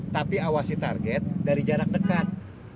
tapi awasi target dari jarak dekat